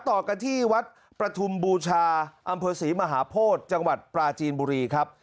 ต่อกันที่วัดประทุมบูชาอำเภอศรีมหาโพธิจังหวัดปราจีนบุรีครับ